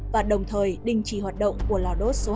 và đồng thời đình chỉ hoạt động của lò đốt số hai